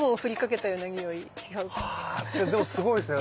あでもすごいっすね。